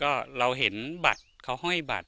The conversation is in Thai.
ก็เราเห็นบัตรเขาห้อยบัตร